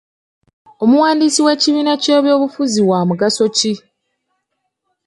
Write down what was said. Omuwandiisi w'ekibiina ky'ebyobufuzi wa mugaso ki?